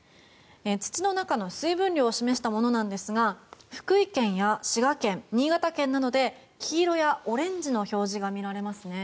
土の中の水分量を示したものですが福井県や滋賀県、新潟県などで黄色やオレンジの表示が見られますね。